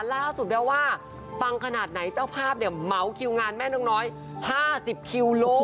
ล่าสุดแล้วว่าฟังขนาดไหนเจ้าภาพเมาส์คิวงานแม่นกน้อย๕๐คิวโล